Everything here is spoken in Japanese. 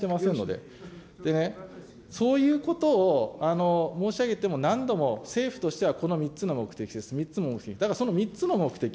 でね、そういうことを申し上げても何度も政府としてはこの３つの目的です、３つの目的。